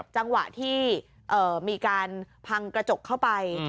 จังหวะที่มีการพังกระจกเข้าไป